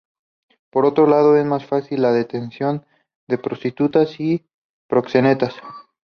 Por otro lado, es más fácil la detención de prostitutas y proxenetas".